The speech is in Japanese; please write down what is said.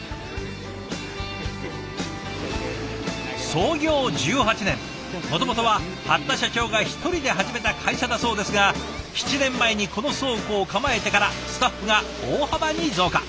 創業１８年もともとは八田社長が一人で始めた会社だそうですが７年前にこの倉庫を構えてからスタッフが大幅に増加。